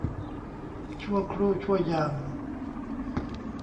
ชั่วครู่ชั่วยาม